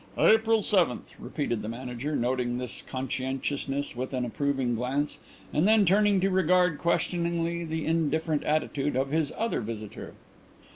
"April seventh," repeated the Manager, noting this conscientiousness with an approving glance and then turning to regard questioningly the indifferent attitude of his other visitor.